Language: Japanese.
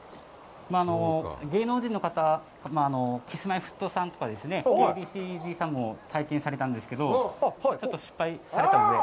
まあ、芸能人の方ではＫｉｓ−Ｍｙ−Ｆｔ２さんとかＡ．Ｂ．Ｃ−Ｚさんも体験されたんですけど、ちょっと失敗されたんで。